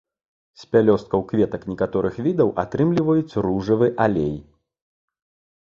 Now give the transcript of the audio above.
З пялёсткаў кветак некаторых відаў атрымліваюць ружавы алей.